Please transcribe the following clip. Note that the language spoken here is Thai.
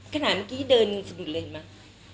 ขนาดเมื่อกี้เดินหนึ่งสะดุดเลยเห็นมั้ย